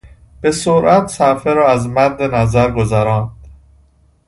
به سرعت صفحه را از مد نظر گذراند.